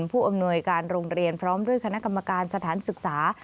ผู้อำนวยการโรงเรียนพร้อมด้วยคณะกรรมการสถานศึกษา